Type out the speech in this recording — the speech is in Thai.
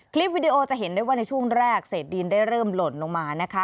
วิดีโอจะเห็นได้ว่าในช่วงแรกเศษดินได้เริ่มหล่นลงมานะคะ